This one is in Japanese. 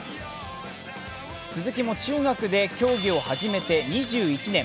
鈴木も中学で競技を始めて２１年。